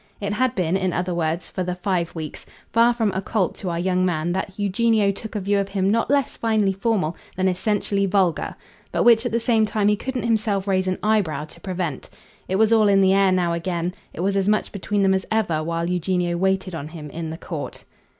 It had been, in other words, for the five weeks, far from occult to our young man that Eugenio took a view of him not less finely formal than essentially vulgar, but which at the same time he couldn't himself raise an eyebrow to prevent. It was all in the air now again; it was as much between them as ever while Eugenio waited on him in the court.